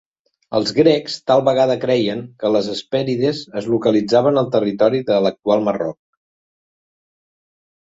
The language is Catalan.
Els grecs tal vegada creien que les Hespèrides es localitzaven al territori de l'actual Marroc.